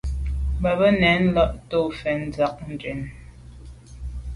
Bɑ̀ búnə́ lá tɔ̌ fɛ̀n ngə ndzɑ̂k ncwɛ́n.